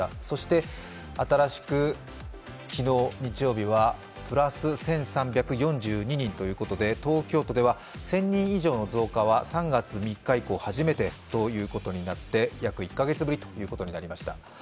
そして新しく昨日、日曜日はプス１３４２人ということで東京都では１０００人以上の増加は３月３日以降初めてということになって約１カ月ぶりということになりました。